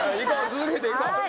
続けていこう。